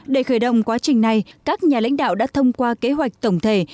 để khởi động quá trình này các nhà lãnh đạo đã thông qua kế hoạch tổng thể